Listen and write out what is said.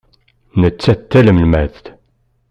Nettat d tanelmadt.